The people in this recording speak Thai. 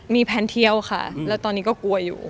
มีแผนเที่ยวค่ะแล้วตอนนี้ก็กลัวอยู่